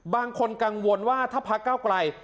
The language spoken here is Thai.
บางคนกังวลว่าถ้าพระเก้าไกล